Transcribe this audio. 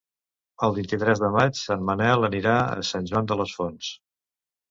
El vint-i-tres de maig en Manel anirà a Sant Joan les Fonts.